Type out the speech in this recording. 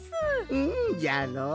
うんじゃろう。